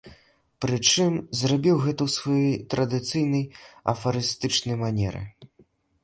Прычым зрабіў гэта ў сваёй традыцыйнай афарыстычнай манеры.